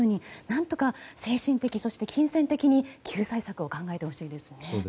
何とか金銭的、精神的に救済策を考えてほしいですね。